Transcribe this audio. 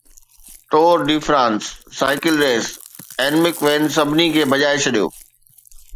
ٽور de France cycle race اينمڪ وين سڀني کي ڀڄائي ڇڏيو